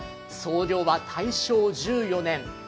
創業は大正１４年。